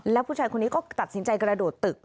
แล้วผู้ชายคนนี้ก็ตัดสินใจกระโดดตึก